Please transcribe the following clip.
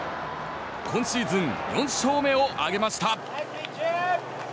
今シーズン４勝目を挙げました。